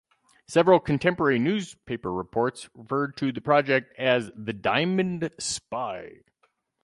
Several contemporary newspaper reports referred to the project as "The Diamond Spy".